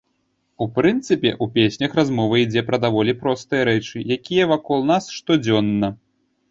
У прынцыпе ў песнях размова ідзе пра даволі простыя рэчы, якія вакол нас штодзённа.